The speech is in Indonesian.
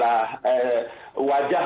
kita harus menjaga